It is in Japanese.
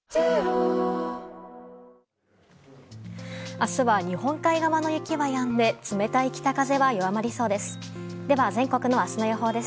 明日は、日本海側の雪はやんで冷たい北風は弱まりそうです。